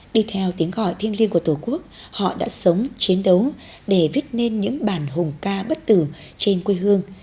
đi theo tiếng gọi thiêng liêng của tổ quốc họ đã sống chiến đấu để viết nên những bản hùng ca bất tử trên quê hương